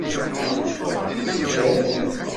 Tettekkam.